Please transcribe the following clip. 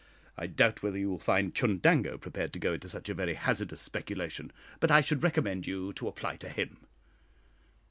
I doubt whether you will find Chundango prepared to go into such a very hazardous speculation, but I should recommend you to apply to him."